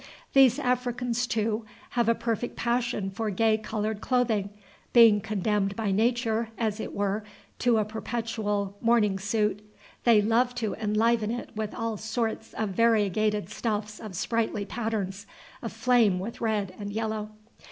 These Africans, too, have a perfect passion for gay colored clothing; being condemned by Nature, as it were, to a perpetual mourning suit, they love to enliven it with all sorts of variegated stuffs of sprightly patterns, aflame with red and yellow.